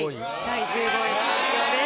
第１５位の発表です。